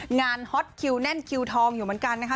ฮอตคิวแน่นคิวทองอยู่เหมือนกันนะคะ